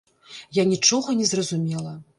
Я нічога не зразумела.